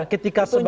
jadi ketika sebagai